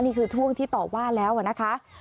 นี่คือช่วงที่ต่อว่าแล้วนะคะ